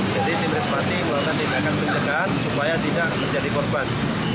jadi tim respati bahkan tidak akan berjagaan supaya tidak menjadi korban